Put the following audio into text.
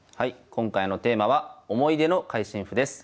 今回のテーマは「思い出の会心譜」です。